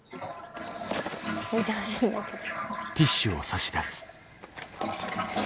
拭いてほしいんだけど。